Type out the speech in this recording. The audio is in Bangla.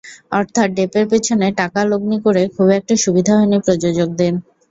অর্থাৎ ডেপের পেছনে টাকা লগ্নি করে খুব একটা সুবিধা হয়নি প্রযোজকদের।